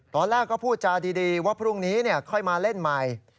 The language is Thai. ตอนแรกก็พูดจาดีว่าพรุ่งนี้ค่อยมาเล่นใหม่